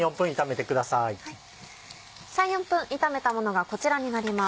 ３４分炒めたものがこちらになります。